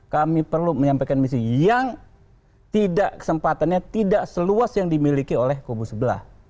kami perlu menyampaikan misi yang tidak kesempatannya tidak seluas yang dimiliki oleh kubu sebelah